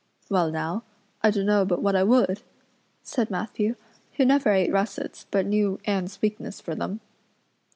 "Well now, I dunno but what I would," said Matthew, who never ate russets but knew Anne's weakness for them.